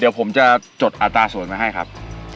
เดี๋ยวผมจะจดอัตราส่วนมาให้ครับ